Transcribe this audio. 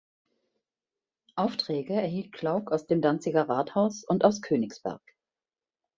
Aufträge erhielt Klauck aus dem Danziger Rathaus und aus Königsberg.